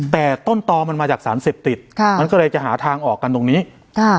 แต่ต้นตอมันมาจากสารเสพติดค่ะมันก็เลยจะหาทางออกกันตรงนี้ค่ะ